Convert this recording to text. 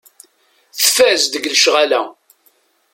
Tfaz deg lecɣal-a.